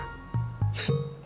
フッ。